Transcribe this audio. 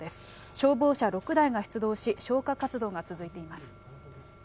消防車６台が出動し、消火活動が続いています。